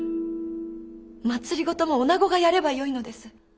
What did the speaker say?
政もおなごがやればよいのです。